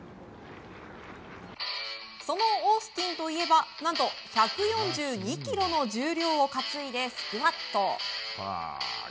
そのオースティンといえば何と１４２ｋｇの重量を担いでスクワット。